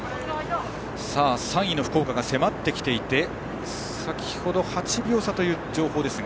３位の福岡が迫ってきていて先ほど８秒差という情報ですが。